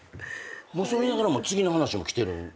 そう言いながらも次の話も来てるんですよね？